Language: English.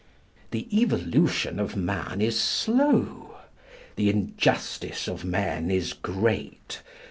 The evolution of man is slow. The injustice of men is great.